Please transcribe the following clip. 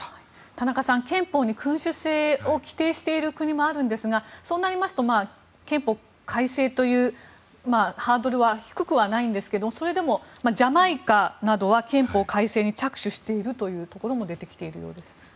田中さん、憲法に君主制を記載している国もあるんですがそうなりますと、憲法改正というハードルは低くはないんですけどそれでもジャマイカなどは憲法改正に着手しているというところも出てきているようです。